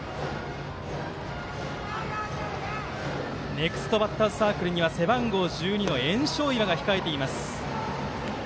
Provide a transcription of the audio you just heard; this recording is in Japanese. ネクストバッターズサークルには背番号１２の焔硝岩が控えています。